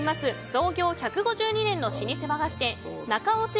創業１５２年の老舗和菓子店中尾清